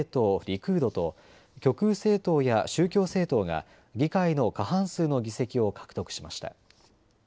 リクードと極右政党や宗教政党が議会の過半数の議席を獲得しました。